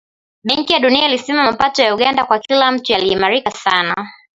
Benki ya Dunia ilisema mapato ya Uganda kwa kila mtu yaliimarika sana